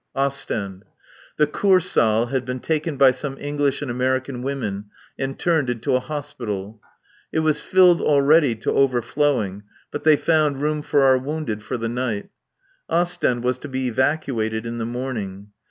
[Ostend.] The Kursaal had been taken by some English and American women and turned into a Hospital. It was filled already to overflowing, but they found room for our wounded for the night. Ostend was to be evacuated in the morning.